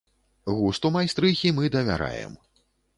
Густу майстрыхі мы давяраем.